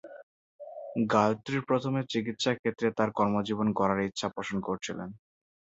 গায়ত্রী প্রথমে চিকিৎসা ক্ষেত্রে তার কর্মজীবন গড়ার ইচ্ছা পোষণ করেছিলেন।